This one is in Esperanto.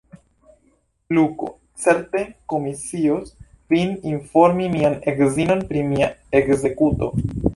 Luko certe komisios vin informi mian edzinon pri mia ekzekuto.